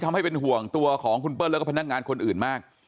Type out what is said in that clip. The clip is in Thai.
ทำให้เป็นห่วงตัวของคุณเปิ้ลแล้วก็พนักงานคนอื่นมาก